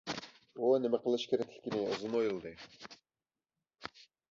ئۇ نېمە قىلىش كېرەكلىكىنى ئۇزۇن ئويلىدى.